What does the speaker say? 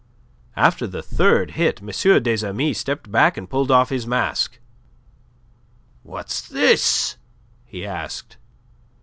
After the third hit, M. des Amis stepped back and pulled off his mask. "What's this?" he asked.